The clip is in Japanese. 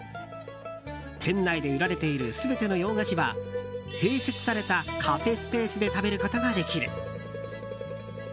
店内で売られている全ての洋菓子は併設されたカフェスペースで食べることができる。